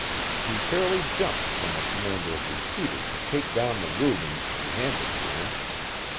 He fairly jumped when the command was repeated to take down the Rubens and hand it to him.